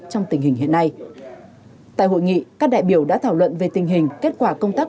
trong tình hình hiện nay tại hội nghị các đại biểu đã thảo luận về tình hình kết quả công tác